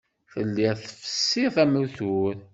Telliḍ tfessiḍ amutur.